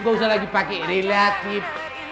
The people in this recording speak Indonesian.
gak usah lagi pakai relatif